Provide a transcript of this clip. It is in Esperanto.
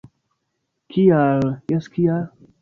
Kial? - Jes, kial?